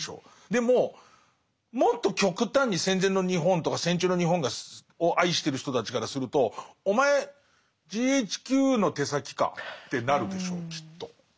でももっと極端に戦前の日本とか戦中の日本を愛してる人たちからするとお前ＧＨＱの手先か？ってなるでしょうきっと。